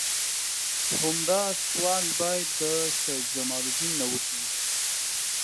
همدا سوال باید د سید جمال الدین نه وشي.